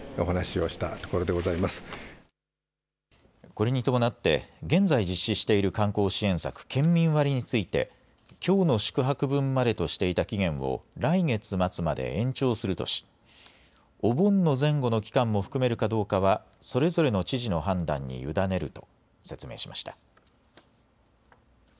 これに伴って現在実施している観光支援策、県民割についてきょうの宿泊分までとしていた期限を来月末まで延長するとしお盆の前後の期間も含めるかどうかはそれぞれの知事の判断に委ねると説明しました。